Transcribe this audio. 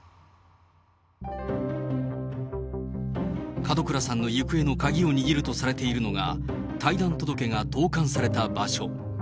門倉さんの行方の鍵を握るとされているのが、退団届が投かんされた場所。